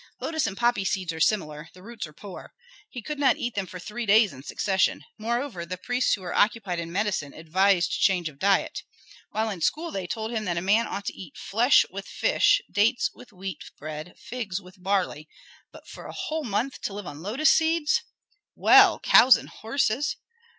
Lotus and poppy seeds are similar; the roots are poor. He could not eat them for three days in succession. Moreover, the priests who were occupied in medicine advised change of diet. While in school they told him that a man ought to eat flesh with fish, dates with wheat bread, figs with barley. But for a whole month to live on lotus seeds! Well, cows and horses?